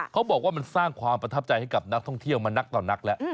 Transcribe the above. เขาบอกว่ามันสร้างความประทับใจให้กับนักท่องเที่ยวมานักต่อนักแล้ว